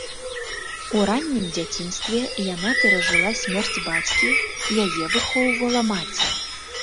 У раннім дзяцінстве яна перажыла смерць бацькі, яе выхоўвала маці.